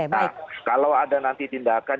nah kalau ada nanti tindakan